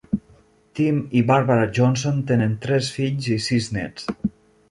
Tim i Barbara Johnson tenen tres fills i sis nets.